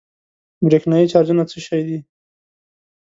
برېښنايي چارجونه څه شی دي؟